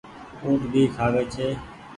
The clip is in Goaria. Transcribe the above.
اُٽ ڀي کآوي ڇي۔